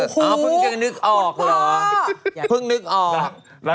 พึ่งคุณจะนึกออกหรอ